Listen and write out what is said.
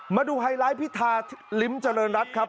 มาดูไฮไลท์พิธาลิ้มเจริญรัฐครับ